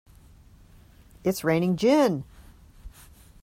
It's raining gin!